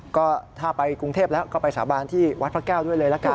ก็ถ้าไปกรุงเทพแล้วก็ไปสาบานที่วัดพระแก้วด้วยเลยละกัน